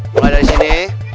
mulai dari sini